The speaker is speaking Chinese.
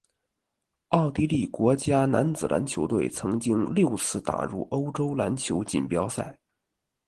奥地利国家男子篮球队曾经六次打入欧洲篮球锦标赛。